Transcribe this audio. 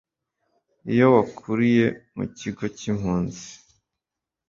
iyo wakuriye mu kigo cy'impunzi,